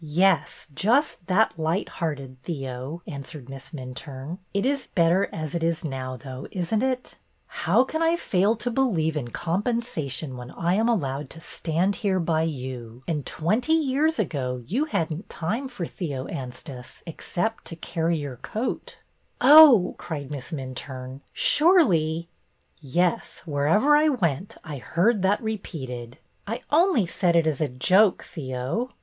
'' Yes, just that light hearted, Theo," answered Miss Minturne. ''It is better as it is now, though, is n't it ?"" How can I fail to believe in compensation 21 322 BETTY BAIRD'S VENTURES when I am allowed to stand here by you, and twenty years ago you had n't time for Theo Anstice except ' to carry your coat '?" Oh," cried Miss Minturne, surely —" Yes, wherever I went I heard that repeated." ''I — only said it as a joke, Theo."